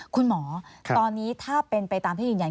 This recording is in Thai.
คุณหมอตอนนี้ถ้าเป็นไปตามที่ยืนยัน